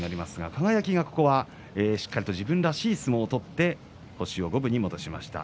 輝がしっかりと自分らしい相撲を取って星を五分に戻しました。